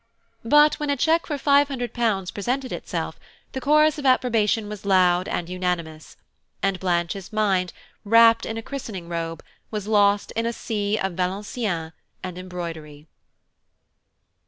But when a cheque for five hundred pounds presented itself, the chorus of approbation was loud and unanimous, and Blanche's mind, wrapped in a christening robe, was lost in a sea of Valenciennes and embroidery.